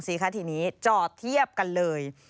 ทีนี้จอดเทียบกันเลย